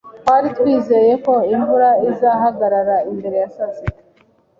Twari twizeye ko imvura izahagarara mbere ya saa sita.